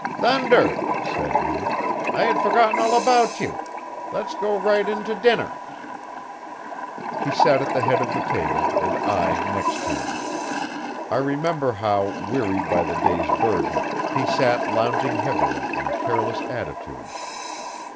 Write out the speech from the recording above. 'Thunder!' said he, 'I had forgotten all about you. Let's go right in to dinner. He sat at the head of the table and I next to him. I remember how, wearied by the day's burden, he sat, lounging heavily, in careless attitudes.